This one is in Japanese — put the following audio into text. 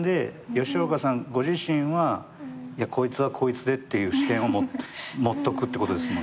ご自身はこいつはこいつでっていう視点を持っとくってことですもんね。